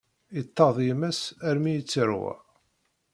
Iṭṭeḍ yemma-s armi i tt-iṛwa.